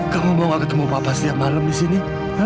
kamu mau gak ketemu papa setiap malam di sini